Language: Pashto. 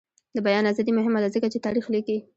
د بیان ازادي مهمه ده ځکه چې تاریخ لیکي.